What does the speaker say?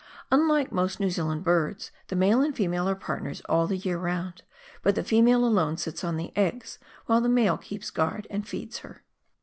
Unlike most New Zealand birds, the male and female are partners all the year round, but the female alcne sits on the eggs, while the male keeps guaid and feeds her.